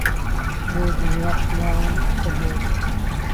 بۆ دونیاشمان سەلماند